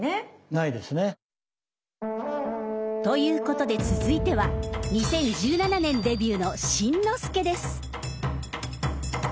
ないですね。ということで続いては２０１７年デビューの新之助です。